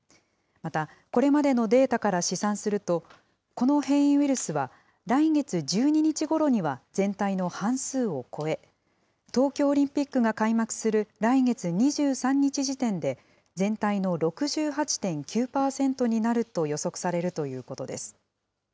また、これまでのデータから試算すると、この変異ウイルスは来月１２日ごろには全体の半数を超え、東京オリンピックが開幕する来月２３日時点で、全体の６８．９％になると予測されるということです。